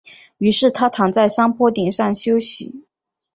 于是他躺在山坡顶上休息。